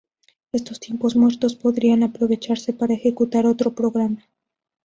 Estos tiempos muertos podrían aprovecharse para ejecutar otro programa.